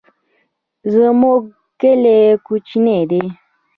زمونږ کلی کوچنی دی